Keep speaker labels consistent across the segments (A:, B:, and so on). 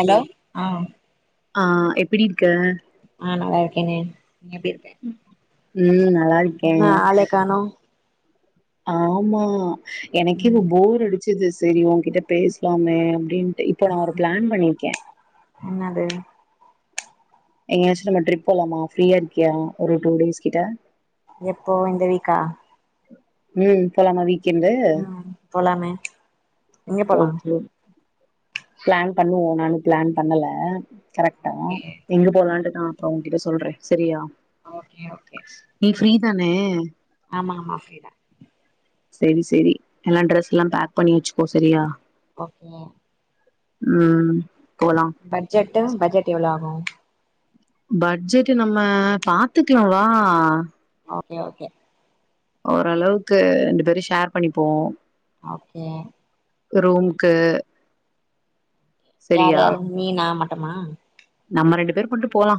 A: Hello ஆஹ
B: ஆஹ எப்டி இருக்க
A: ஆஹ நல்லா இருக்கேன் நீ எப்டி இருக்க
B: ம் நல்லா இருக்கே
A: என்ன ஆளே காணோம்
B: ஆமா எனக்கே இப்ப
A: ம்
B: போர் அ வச்சது செரி உங்கிட்ட பேசலாமே அப்டின்ட்டு இப்போ நா ஒரு பிளான் பண்ணிருக்கேன்
A: என்னது
B: எங்கயாச்சும் நம்ம ட்ரிப் போகலாமா ஃப்ரீயா இருக்கியா ஒரு டூ டேஸ்கிட்ட
A: எப்போ இந்த வீக்கா
B: உம் போலாம் பிரீ இந்த
A: ம் போலாமே எங்க போலா
B: ஓகே பிளான் பண்ணுவோம் நான் இன்னும் பிளான் பண்ணல கரெக்ட்டா
A: ஓகே
B: எங்க போலான்ட்டுதான் அப்போ உன் கிட்ட சொல்றேன் செரியா
A: ஓகே ஓகே
B: ஃப்ரீ தானே
A: ஆமா ஆமா ஃப்ரீ தான்
B: செரி செரி எல்லாம் டிரெஸ் எல்லாம் பேக் பண்ணி வச்சு போ சேரியா
A: ஓகே
B: ம் போலா
A: பட்ஜெட்டு பட்ஜெட் எவ்ளோ ஆ கு
B: பட்ஜெட்டு நம்ம பாத்துக்கலா வா
A: ஓகே ஓகே
B: ஓரளவுக்கு ரெண்டு பேரு ஷேர் பண்ணிப்போ
A: ஓகே
B: ரூம்க்கு
A: யார்
B: சரியா
A: யாரு நீீ நா மட் ட்டுமா
B: நம்ம ரெண்டு பேரு மட்டு போலா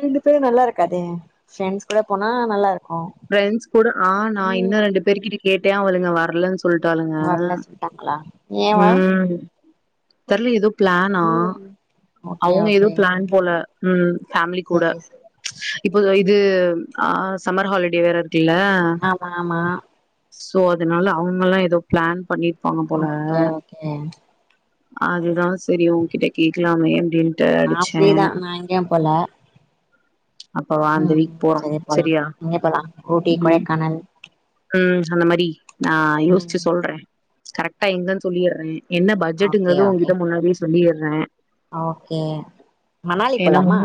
A: ரெண்டு பேரு நல்லா இருக்காதே ஃப்ரெண்ட்ஸ் கூட போனா நல்லா இருக்
B: ஃப்ரெண்ட்ஸ் கூட ஆ நா இன்னு ரெண்டு பேரு கிட்ட கேட்டே அவுளுங்க வர்லன்ஸ் சொல்லிட்டாளுங்க
A: வர்ல சொல்ட்டாங்களா ஏவா
B: ம் தெர்ல எதோ பிளேனா
A: ம் ஓகே
B: அவங்க எதோ
A: ஓகே
B: பிளேன் போல ம் ஃபேமிலி கூட
A: செரி செரி
B: இப்ப இதோ இது ஆ சம்மர் ஹாலிடே வேற இருக் க்குல
A: ஆமா ஆமா
B: சோ அதனால அவங்கல்லா எதோ பிளேன் பண்ணி ருப்பாங்க போல
A: ஓகே ஓகே
B: அதுதா சேரி உங்கிட்ட கேக்கலாமேன் அப்டின்
A: ஆசைதா நா எங்கையும் போல
B: அப்ப வா இந்த
A: ம்
B: வீக் போறோ
A: சேரி போலா
B: சரியா
A: எங்க போலா ஊட்டி
B: ம்
A: கொடைக்கானல்
B: ம் அந்த மாரி நா
A: ம்
B: யோசுச்சு சொல்ற கரெக்டா எங்கன் சொல்லிர்ற என்ன
A: ஓகே
B: பட்ஜெட்ங்குறது
A: ஓகே
B: உங்கிட்ட முன்னாடியேஸ் சொல்லிர்ற
A: ஓகே மணாலி
B: ஏன்னா
A: போலாமா
B: முன்னு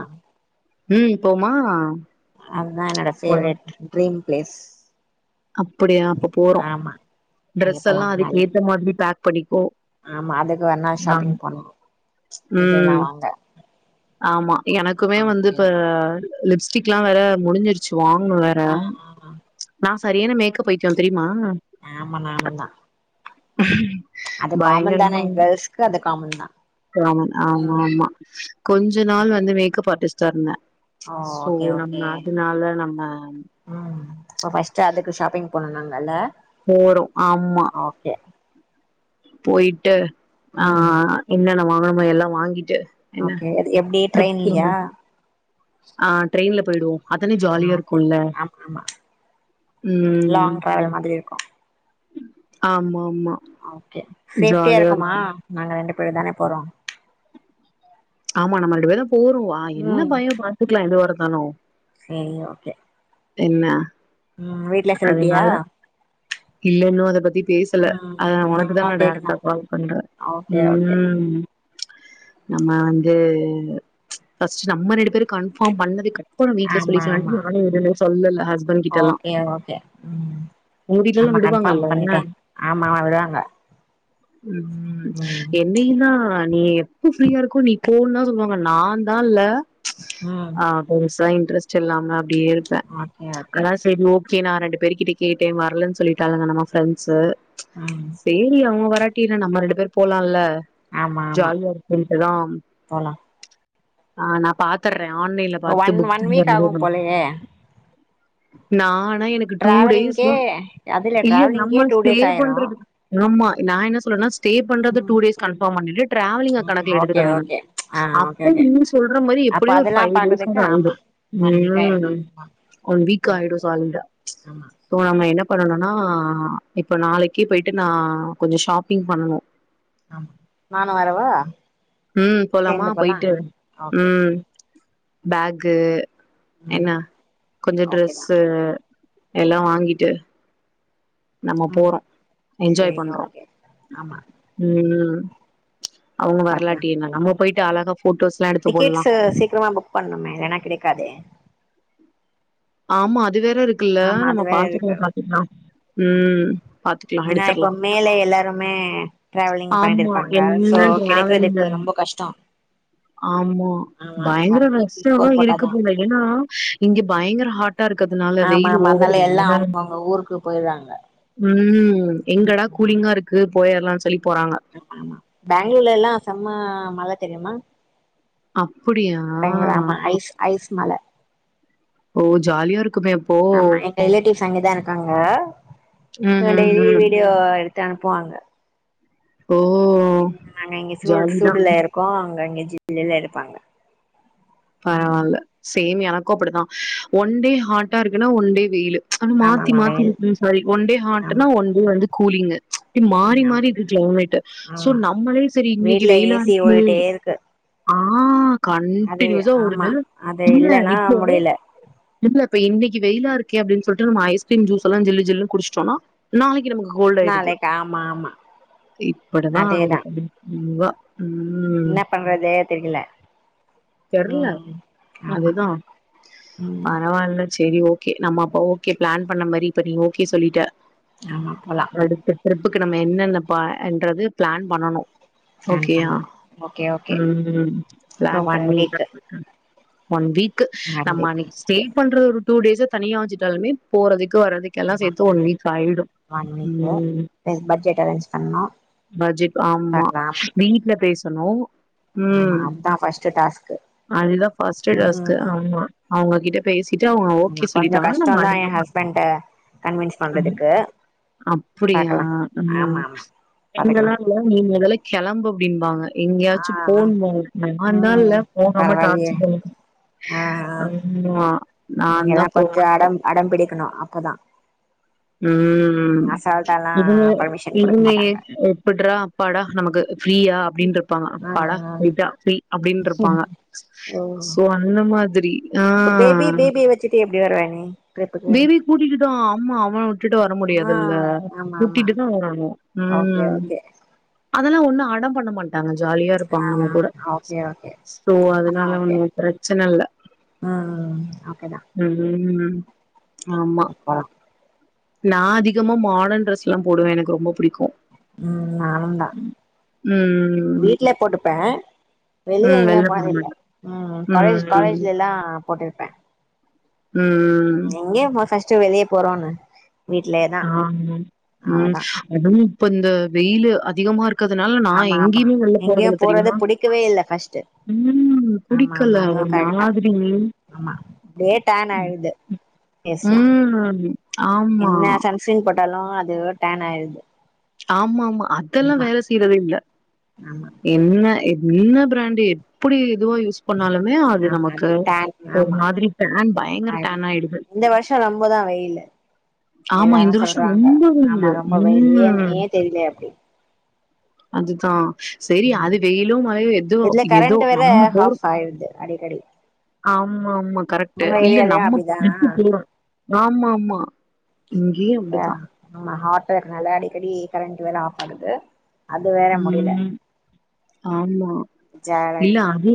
B: ம் போமா
A: அதுதா என்னோட ஃபேவரேட் ட்ரிம் ப்ளீஸ்
B: அப்டியா அப்ப போறோ
A: அங்க போலா
B: ட்ரெஸ்ல்லா
A: மணாலி
B: அதுக்கு ஏத்த மாதிரி பேக் புடிக்கு
A: ஆமா அதுக்கு வேணா ஷாப்பிங் பண்ணுவோ இதேல்லா
B: ம்
A: வாங்க
B: ஆமா எனக்குமே வந்து
A: ஓகே
B: இப்ப லிப்ஸ்டிக்லா வேற முடிஞ்சிருச்சு. வாங்கனு வேற
A: ஆ ஆ
B: நா சரியான மேக்கப் பைத்தியோ தெரி
A: ஆமா நானுந்தா அது
B: [inaudible]
A: காமன் தானே
B: பயங்கரமா
A: கேர்ள்ஸ்க்கு அது காமன் தா
B: ஆ ஆமா
A: ம்
B: ஆமா கொஞ்ச நாள் வந்து மேக்கப் ஆர்டிஸ்ட். சொன்ன
A: ஓ.. ஒகே ஒகே
B: நம்ம
A: ம் அப்ப பஸ்ட்டு அதுக்கு ஷாப்பிங் போனோனாங்கள்ல்ல
B: போறு ஆமா போயிட்டு ஆ
A: ம்
B: என்னென்ன வாங் ஆம எல்லா வாங்கிட்டு என்ன
A: ஓகே எப்டி ட்ரெயின்ல்லயா
B: போய்டுவோ அதானே ஜாலியா இருக்குல்ல
A: ஆமா
B: உம்..
A: லாங் டிராவல் மாதிரி
B: ஆமா
A: ஒகே சேப்டியா
B: ஜாலியா
A: இருக்குமா
B: இருக்கு
A: நாங்க ரெண்டு அப்பழுதானே போறோ
B: ஆமா நம்ம ரெண்டு பேரும் போறோ வா என்ன பயோ பாத்துக்லா எது வர ஹலோ
A: செரி ஓகே
B: என்ன
A: ம் வீட்ல சொல்லிட்டியா
B: அதனால இல்ல இன்னு அத பத்தி பேசல அத ஒனக்குதா
A: நாந்தா
B: நா
A: கேக்கணு
B: டைரக்டா கால் பண்றே
A: ஓகே ஓகே
B: ம் நம்ம வந்து ஃபர்ஸ்ட்டு நம்ம ரெண்டு பேரு கன்ஃபார்ம் பண்ணதுக்கட் பறொ வீட்ல
A: ஆமா ஆமா
B: சொல்லிக்லான்ட்டு நானு எதுமே சொல்லல ஹஸ்
A: ஓகே ஓ கே ம்
B: உங்க வீட்லல்லா
A: நம்ம கன்ஃபார்ம்
B: விடுவாங்கல்ல என்ன
A: பண்ணிட்டு ஆமா விடுவாங்க
B: ம்
A: ம்
B: என்னையுந்தா நீ எப்ப ஃப்ரீயா இருக்கோ நீ போன்தா சொல்லுவாங்க நாந்தால்ல
A: ம்
B: ஆது சயின் ட்ரெஸ்ட்டில்லாம அப்டியே இருப்பே
A: ஓகே ஓகே
B: அதா சரி ஓ கே நா ரெண்டு பேரு கிட்ட கேட்டே வரலன் சொல்லிட்டாளுங்க நம்ம ஃப்ரண்ட்ஸு
A: ம்
B: சேரி அவுங்க வ ர்லாட்டி என்ன நம்ம ரெண்டு பேர் போலால்ல
A: ஆமா ஆமா
B: ஜாலியா இருக்குன்ட்டுதா ஆ நா பாத்தற்
A: இப்ப ஒன் ஒன் வீக் ஆகு போலயே
B: நா நா எனக்கு
A: டிராவலிங்கே
B: டூடேஸ்லா
A: அதுல
B: இல்ல
A: டிராவலிங்கே
B: நம்ம
A: டூ
B: ஸ்டே
A: டேஸ் ஆயிரு
B: பண்றதுக்கு நாம்மா நா என்ன சொன்னனா ஸ்டே பண்றது டூ
A: ம்
B: டேஸ் கன்ஃபார்ம் பண்ணிட்டு டிராவலிங்க
A: ம்
B: கணக்குல
A: ஓகே
B: எடுத்துக்க வேணா
A: ஓகே ஆ ஓகே
B: அப்ப
A: ஓகே
B: நீ சொல்ற மாரி
A: அப்ப
B: எப்டியு ஒரு
A: அதெல்லா
B: ஃபைவ் டேஸ்
A: பாக்குறதுக்கு
B: மேல ஆயிடு
A: ஆமா ஒன் வீக் ஆயிரு
B: ம்
A: மேக்சிமம்
B: ஒன் வீக் ஆயிடு
A: ஓகே
B: சாலிடா
A: ஆமா
B: சோ நம்ம என்ன பண்ணனுனா இப்ப நாளைக்கே போயிட்டு நா கொஞ்ச ஷாப்பிங் பண்ணனு
A: ஆமா நானு வரவா
B: உஹம் போலாமா
A: சேந்து போலா
B: போயிட்டு
A: ஓகே
B: உம் பேக்கு
A: ம்
B: ஏன்னா கொஞ்சம்
A: ஓகேதா
B: டிரஸ்சு எல்லாம் வாங்கிட்டு நம்ம
A: ம்
B: போறோம் என்ஜாய்
A: சேரிங்க
B: பண்றோம்
A: ஓகே
B: உம் ம் [inaudible] அவங்க
A: பாக்கலாம்
B: வரலாட்டி என்ன நம்ம போயிட்டு அழகா போட்டோஸ்ல்லா எடுத்து போட்லா
A: டிக்கெட்ஸ் சீக்கிரமா புக் பண்ணுமே ஏனா கெடைக்காதே
B: ஆமா இது வேற இருக்குல்ல
A: ஆமா
B: நம்ம
A: அது வேற இருக்கு
B: பாத்துக்கலாம் பாத்துக்கலாம் உம் பாத்துக்கலாம்
A: ஏன்னா இப்ப
B: எடுத்துரலாம்
A: மேல எல்லாருமே டிராவலிங் பண்ணிட்டு
B: ஆமா
A: இருப்பாங்க சோ
B: என்து
A: கிடைக்கறதுக்கு
B: லாவண்டர்
A: ரொம்ப கஷ்டோ
B: ஆமா
A: ஆமா
B: பயங்கர
A: ஒன் வீக்
B: ரஷ்சா வ
A: பிஃபோர்
B: இருக்கும்
A: போட்டாதா
B: போல ஏன்னா இங்க பயங்கர ஹாட்
A: ஆமா ஆமா அதனால எல்லாம் அவங்கவுங்க ஊருக்கு போய்றாங்க
B: உம்ம் எங்கடா கூலிங்கா இருக்கு போயிறல்லாம் சொல்லி போறாங்க
A: ஆமா பெங்களூர்ல எல்லாம் செம்ம மழ தெரிமா
B: அப்டியா
A: ஐஸ் மழ
B: இருக்குமே அப்போ
A: ஆமா எங்க ரிலேட்டிவ்ஸ் அங்கே தான் இருக்காங்க
B: ம் ம்
A: டெய்லி
B: ம்
A: வீடியோ எ அனுப்புவாங்க
B: ஓ
A: நாங்க இங்க சூடு
B: ஜாலிதா
A: சூடுல இருக்கோம் அங்கங்க ஜில்லுனு இருப்பாங்க
B: பரவால்ல சேம் எனக்கும் அப்படிதா ஒன் டே ஹாட்டா இருக்குன்னா ஒன் டே வெயிலு அ
A: ஆமா
B: மாத்தி
A: ஆமா
B: மாத்தி
A: வெயில்
B: இருக்கு சாரி ஒன் டே
A: ஆமா
B: ஹாட்னா ஒன் டே வந்து கூலிங்கு மாறி மாறி
A: ஆமா
B: இது கிளைமேட் சோ
A: ஆமா
B: நம்மளே சேரி இன்னக்கி
A: வீட்ல
B: வெயிலா
A: ஏசி
B: இருக்கு
A: ஓடிட்டே இருக்கு
B: ஆஹ கா
A: அது
B: கண்டினியூஸா
A: ஆமா
B: ஓடுது
A: அது
B: இல்ல
A: இல்லன்னா
B: இப்போ
A: முடியல
B: இல்ல இன்னக்கி வெயிலா இருக்கு ஓகே அப்டின் சொல்லிட்டு நம்ம ஐஸ்கிரீம் ஜூஸ் எல்லா ஜில்லு ஜில்லுன் குடுச்சுட்டோனா நாளிக்கு நமக்கு கோல்டு ஆயிடுது
A: நாளைக்கு ஆமா ஆமா
B: இப்டிதா ஆகுது
A: அதேதா
B: [inaudible] ம்
A: என்ன பண்றதே தெரில
B: தெர்ல அதுதா
A: ம்
B: பரவால்ல சேரி ஓகே நம்ம அப்ப ஓகே பிளேன் பண்ண மாரி பண்ணி ஓகே சொல்லிட்ட
A: ஆமா போலா
B: அடுத்த ட்ரிப்புக்கு நம்ம என்னென்ன பன்றது பிளேன் பண்ணனு
A: பிளான்
B: ஓகேயா
A: பண்ணு ஓகே ஓகே
B: ம்
A: இப்போ
B: பிளேன்
A: ஒன்
B: பண்ணி [inaudible]
A: வீக்
B: ஒன் வீக் க்கு
A: ஒன்
B: நம்ம
A: வீக்
B: அன்னைக்கு
A: ஓகே
B: ஸ்டெயில் பண்றது ஒரு டூ டேச தனியா வெச்சுட்டாலுமே போறதே போறதுக்கு வரதுக்கெல்லா
A: ஆமா
B: சேத்து ஒன்
A: போலாம்
B: வீக் ஆயிடு
A: one week plus budget arrange பண்ணு
B: ம்பட்ஜெட் ஆமா
A: பாக்கலா ஆமா
B: வீட்ல பேஸ் த்துனு
A: ஆமா அதா ஃபஸ்ட்டு டாஸ்க்கு
B: அதுதா ஃபஸ்ட்டு டாஸ்க்கு
A: ம்
B: ஆமா ஆ உங்க கிட்ட பேசி ச்சிட்டு அவங்க
A: ஆமா
B: ஓகே
A: கொஞ்சோ
B: சொல்லிட்டாங்கன்னா நம்ம
A: கஷ்டோந்தா எ
B: அடுத்த
A: ஹஸ்பண்ட கன்வின்ஸ்
B: ம்
A: பண்றதுக்கு
B: அப்புடியா
A: பாக்கலா ஆமா ஆமா பாத்துக்கலா
B: [unintelligible] நீ மொதல்ல கெளம்பு அப்டின்பாங்க
A: ஆ
B: எங்கயாச்சு
A: ஆ
B: போணுமோ
A: ம்
B: [unintelligible]
A: பரவால்லயே ஆ ஆ
B: ஆமா நான்தா
A: இங்கெல்லா கொஞ்சோ
B: போவே
A: அடம் அடம் பிடிக்கணு அப்பதா
B: ம்
A: அசால்ட்டாலா
B: இத
A: பர்மிஷன் குடுக்க
B: இதமே
A: மாட்டாங்க
B: எப்புறா அப்பாடா நமக்கு பிரீயா அப்டின் இருப்பாங்க
A: ஆ
B: அப்பாடா
A: ஆ
B: போய்டா பிரீ அப்டின் இருப்பாங்க
A: ஓ
B: சோ அந்த மாரி ஆ
A: இப்ப பேபி பேபிய வச்சுட்டு எப்டி வருவ நீ ட்ரிப்புக்கு
B: பேபிய கூட்டிக்கிட்டுவா அம்மா விட்டுட்டு வர முடியாது
A: ஆ
B: இல்ல
A: ஆமா ஆமா
B: கூட்டிட்டுதா வரணு
A: ஓகே
B: ம்
A: ஓகே
B: அதெல்லா ஒன்னு அடம் பண்ண மாட் டாங்க ஜாலியா இருப்பாங்க
A: ஆ
B: நம்ம கூட
A: ஓகே ஓகே
B: சோ
A: அப்பனா
B: அதனால
A: ஓகே
B: ஒண்ணு பிரச்சன இல்ல
A: ம் ம் ஓகேதா
B: ம் [inaudible] ஆமா
A: போலா
B: நா அதிகமா மாடன் ட்ரெஸ்ல்லா போடுவே எனக்கு ரொம்ப புடிக்கு
A: ம் நா தா
B: ம்
A: வீட்ல போட்டுப்பே வெளியே
B: ம்
A: எங்கியு
B: வெள்ள போட
A: போனதுல
B: மாட்டே
A: ம் காலேஜ்
B: ம்
A: காலேஜ்லல்லா போட்டு
B: ம்
A: இங்கயே போகஸ் சோ வெளியே போறோன்னு வீட்லயே தா
B: ஆ ம்
A: அவ்ளதா
B: அதுவு இப்போ இந்த வெயிலு அதிகமா இருக்கதுனால நா
A: ஆமா ஆமா
B: எங்கேயுமே வெள்ள
A: எங்கயு
B: போறதுல
A: போறது
B: தெரியுமா
A: புடிக்கவே இல்ல ஃபஸ்ட்டு
B: ம்
A: ஆமா
B: குடிக்கல
A: ஆமா அதுவு
B: அவ
A: கரெக்ட் தா
B: மாதிரி
A: ஆமா அப்டியே டேன் ஆயிடுது ஃபேஸ்லா
B: ம் ஆமா
A: சீன் போட்டாலு அது டேன் ஆயிரு
B: ஆமா ஆமா அதெல்லா வேல செய்யறதே இல்ல
A: ஆமா
B: என்ன எ இன்ன பிராண்டு எப்பிடி இதுவா யூஸ் பண்ணாலுமே அது
A: ஆமா
B: நமக்கு
A: டேன்
B: ஒரு
A: ஆமா
B: மாதிரி டேன் பயங்கர
A: ஆயிருது
B: டேன் ஆயிடுது
A: இந்த வருஷோ ரொம்பதா வெயிலு
B: ஆமா
A: எல்லாரு
B: இந்த வருஷ
A: சொல்றாங்க
B: ரொம்ப உண்டு ம்
A: தெரியல அப்பிடி
B: அதுதா சேரி
A: ம்
B: அது வெயிலு மழையோ எதோ
A: இதுல
B: எதோ
A: கரண்ட் வேற
B: நம்ம போற
A: ஆஃப் ஆயிருது அடிக்கடி
B: ஆமா ஆமா கரெக்ட்
A: உங்க
B: இல்ல
A: ஏரியாலயு
B: நம்ம
A: அப்டிதானா
B: ப்புபோறோ ஆமா ஆமா இங்கேயு அப்டிதா
A: ஆமா ஹார்ட் இருக்கு நல்லா அடிக்கடி கரண்ட் வேல ஆப் ஆகுது அது வேற முடில
B: ம் ஆமா இல்ல
A: ஜாலாயிடுது
B: அது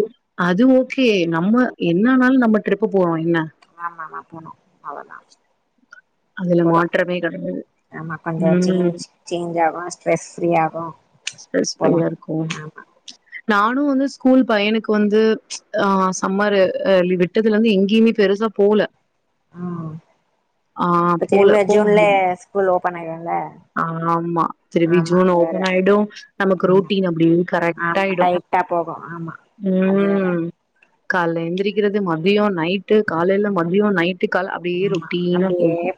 B: அதுவு கே நம்ம என்னனாலு நம்ம ட்ரிப் போறோ என்ன
A: ஆ நா போனு அவதா
B: அதுல
A: போலா
B: மாற்றமே கெடையாது
A: நம்ம கொஞ்சோ
B: ம்
A: சேஞ்ச் சேஞ்ச் ஆகு ஸ்ட்ரெஸ் ஃப்ரீ ஆகு
B: ஸ்பெஸ்
A: போலா
B: பிரியா இருக்கு
A: ஆமா
B: நானு வந்து ஸ்கூல் பையனுக்கு வந்து ஆ சம்மர் லி விட்டதுல இருந்து எங்கேயுமே பெருசா போல
A: ம்
B: ஆ
A: இப்ப
B: போல
A: திரும்ப
B: போ
A: ஜூன்ல ஸ்கூல் ஓப் பண்ணக
B: ஆமா திருப்பி ஜூன்
A: அது வேற
B: ஓபன் ஆயிடு நமக்கு
A: ஆமா
B: ரூட்டீன் அப்பிடின்னு கரெக்ட்
A: ஆமா
B: ஆயிடு
A: டைட்டா போகு ஆமா அது வேற
B: ம் காலைல எந்திரிக்கிறது மதியம் நைட்டு காலையில மதியம் நைட் கால அப்படியே
A: ஆமா
B: ரொட்டினா போகும்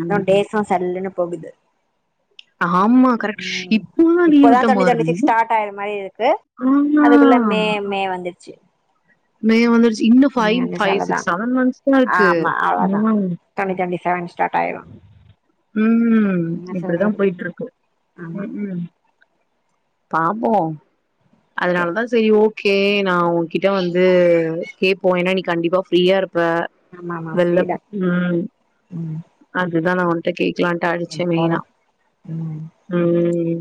A: அது தான் டேஸ்லாம் சல்லுன்னு போகுது
B: ஆமா கரெக்ட்
A: ம்
B: இப்போ தான் லீவ்
A: இப்பதா டுவெண்ட்டி
B: விட்டமாதிரி
A: டுவெண்ட்டி சிக்ஸ்
B: இருந்தது
A: ஸ்டார்ட் ஆயிற மாரி இருக்கு
B: ஆனா
A: சேர்
B: மே வந்துருச்சு இன்னும் பைவ் பைவ்
A: அவ்ளதா
B: சிக்ஸ் செவன் மந்த்ஸ் தான் இருக்கு.
A: தேங்க்ஸ்.
B: உம்
A: என்ன
B: இப்படிதான்
A: சொல்றது
B: போய்ட்டு இருக்கு
A: ஆமா
B: உம் உம் பாப்போம்
A: ஓகே
B: அதனால தான் சேரி போ ஓகே நான் உன் கிட்ட வந்து கேட்போம் ஏன்னா நீ கண்டிப்பா ஃப்ரீயா இருப்ப
A: ஆமா ஆமா
B: வெளில
A: ஃப்ரீதா
B: உம்
A: ம்
B: அது அதனால தான் உன்னுட்ட கேட் கேட்கலாம்டு
A: சரி
B: அடிச்சேன் மெயினா
A: போலா ம்
B: உம்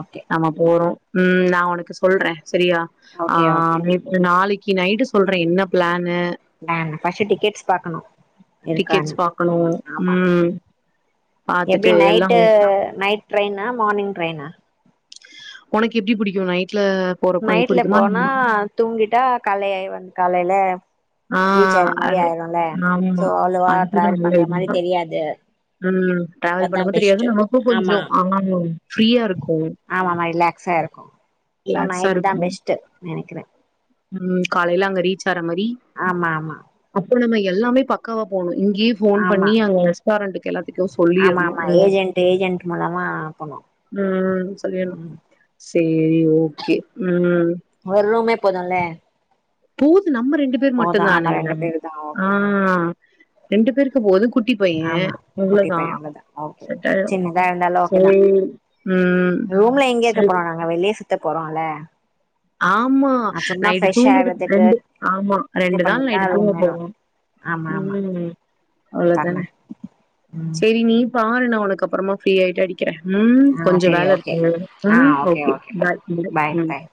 A: ஓகே
B: நம்ம போறோம் உம் நான் உனக்கு சொல்றேன் சரியா
A: ஓகே
B: ஆஹ்
A: ஓகே
B: நேத்து நாளைக்கு இன்னைக்கு நைட்டு சொல்றேன் என்ன பிளான்னு
A: பர்ஸ்ட்டு டிக்கெட்ஸ் பாக்கணும் இருக்கானு
B: உம்
A: எப்படி நைட்டு நைட் ட்ரெய்னா மார்னிங் ட்ரெய்னா
B: உனக்கு எப்டி பிடிக்கும் நைட்
A: நைட்ல போனா தூங்கிட்டா காலைல வந்து காலைல
B: ஆ
A: ரீச் ஆயற மாதிரி
B: அது
A: ஆயிருல சோ
B: ஆமா
A: அவ்வளவா
B: அதுதா
A: டிராவல்
B: நல்ல
A: பண்ற மாதிரி
B: ஐடியா
A: தெரியாது.
B: ம் டிராவல்
A: அதா
B: பண்றப்போ தெரியாது
A: பெஸ்ட்டு
B: நமக்கு
A: ஆமா
B: கொஞ்சம் ஆ ஃப்ரீயா இருக்கும்
A: ஆமாமா ரிலாக்ஸா இருக்கு சோ
B: ரிலாகஸா
A: நைட்டு தா
B: இருக்கும்.
A: பெஸ்ட்டு நெனைக்கிறே
B: ம் காலைல அங்க ரீச் ஆற மாரி
A: ஆமா ஆமா
B: அப்புறோ நம்ம எல்லாமே பக்காவா போணு இங்கயே ஃபோன்
A: ஆமா
B: பண்ணி அங்க ரெஸ்டாரண்டக்கு எல்லாத்துக்கு
A: ஆமா
B: சொல்லிர்ணு
A: ஆமா
B: ஒரு
A: ஏஜென்ட் ஏஜென்ட் மூலமா போனு
B: ம் சொல்லிர்ணு
A: ம்
B: சேரி ஓகே ம்
A: ஒரு ரூமே போதுல்ல
B: பூத் நம்ம ரெண்டு பேர்
A: போது ஆமா
B: மட்டுந்தான
A: ரெண்டு பேரு தா
B: ஆ
A: ஓகே
B: ரெண்டு பேருக் கு ஒரு குட்டி பைய
A: ஆமா குட்டி
B: அவ்ளோதா
A: பைய ஓகே
B: செட்டாயிரு
A: சின்னதா இருந்தாலு ஓகே தா
B: சேரி ம் சேரி
A: த்த போறோல்ல
B: ஆமா நைட்டு தூங்குறதுக்
A: ஆகுறதுக்கு
B: ரெண்டு ஆமா
A: இது
B: ரெண்டு நாள்
A: பண்ணிட்டுதா
B: நைட்டு தூங்க
A: ரூம் வேணு
B: போவோ
A: ஆமா ஆமா
B: ம்
A: தர்றே
B: அவ்ளோதான
A: ம்
B: சேரி நீ பாரு நா உனக்கு அப்புறமா ஃப்ரீயாயிட்டு அடி க்குற ம்
A: ஆ
B: கொஞ்சோ
A: செரி
B: வேல
A: ஓகே
B: இருக்கு
A: ஆ
B: ம் ஓகே
A: ஓகேப்பா
B: பாய் பாய் ம்
A: பாய்